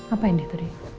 apa andi tadi